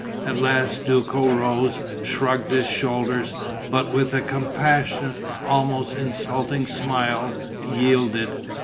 At last Duco rose, shrugged his shoulders, but, with a compassionate, almost insulting smile, yielded.